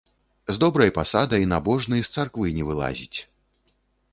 З добрай пасадай, набожны, з царквы не вылазіць.